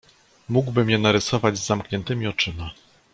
"Mógłbym je narysować z zamkniętymi oczyma."